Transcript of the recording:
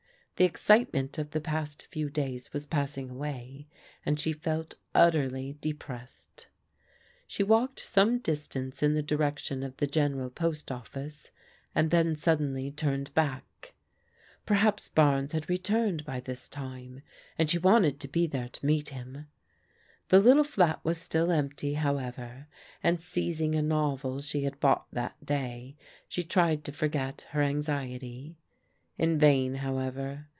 The excitement of the past few days was passing away, and she felt utterly depressed. She walked some distance in the direction of the Gen eral Post Office, and then suddenly turned back. Per haps Barnes had returned by this time, and she wanted to be there to meet him. The little flat was still empty, however, and seizing a novel she had bought that day, she tried to forget her anxiety. In vain, however.